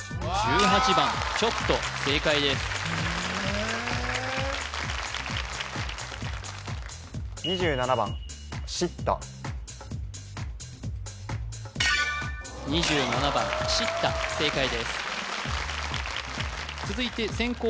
１８番ちょっと正解ですへえ２７番しった正解です続いて先攻